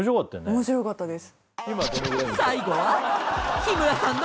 面白かったです。